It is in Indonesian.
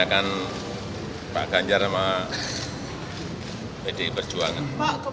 ada pembahasan cawapresnya pak ganjar mungkin